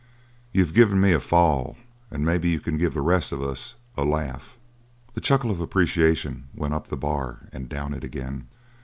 "You've given me a fall, and maybe you can give the rest of us a laugh!" The chuckle of appreciation went up the bar and down it again.